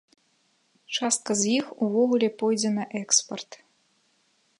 Частка з іх увогуле пойдзе на экспарт.